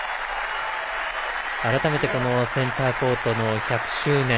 改めて、センターコートの１００周年